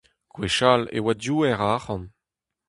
Gwechall e oa diouer a arc'hant.